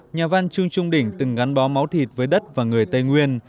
nhà văn trung trung đình từng gắn bó máu thịt với đất và người tây nguyên